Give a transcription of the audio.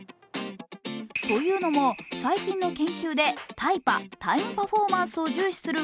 というのも、最近の研究で、タイパ＝タイムパフォーマンスを重視する